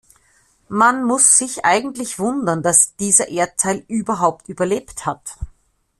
Man muss sich eigentlich wundern, dass dieser Erdteil überhaupt überlebt hat.